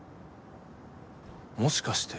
もしかして。